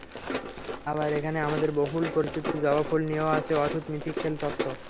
আবার এখানে আমাদের বহু পরিচিত জবা ফুল নিয়েও আছে অদ্ভুত মিথিক্যাল তথ্য।